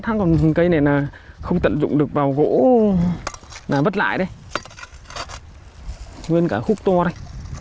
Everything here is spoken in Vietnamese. cắt nó còn cây này là không tận dụng được vào gỗ là mất lại đây nguyên cả khúc to đây